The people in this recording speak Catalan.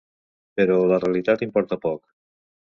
Però la realitat importa poc.